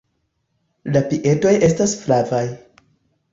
La piedoj estas flavaj.